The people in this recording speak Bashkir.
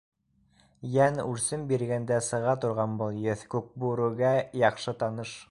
Йән үрсем биргәндә сыға торған был еҫ Күкбүрегә яҡшы таныш.